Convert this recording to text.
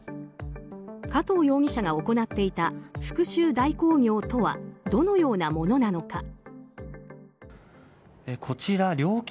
加藤容疑者が行っていた復讐代行業とはどのようなものなのか。